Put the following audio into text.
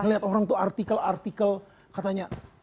ngelihat orang tuh artikel artikel katanya